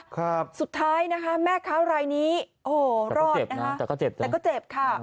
ครับสุดท้ายนะคะแม่ขาวรายนี้โอ้โหรอดนะฮะแต่ก็เจ็บค่ะ